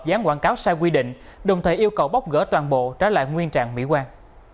dán quảng cáo sai quy định đồng thời yêu cầu bóc gỡ toàn bộ trả lại nguyên trạng mỹ quan